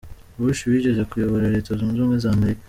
Bush wigeze kuyobora Leta Zunze Ubumwe za Amerika.